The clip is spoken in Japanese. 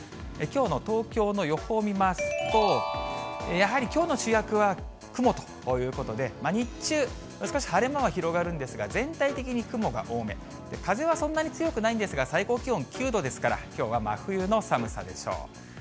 きょうの東京の予報を見ますと、やはりきょうの主役は雲ということで、日中、少し晴れ間は広がるんですが、全体的に雲が多め、風はそんなに強くないんですが、最高気温９度ですから、きょうは真冬の寒さでしょう。